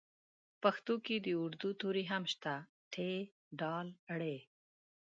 په پښتو کې د اردو توري هم شته ټ ډ ړ